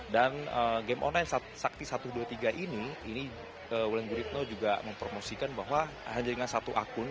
dan game online sakti satu dua tiga ini ini wulan guritno juga mempromosikan bahwa hanya dengan satu akun